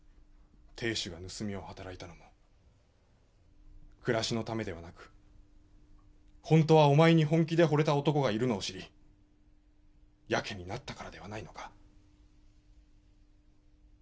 亭主が盗みを働いたのも暮らしのためではなく本当はお前に本気で惚れた男がいるのを知り自棄になったからではないのか？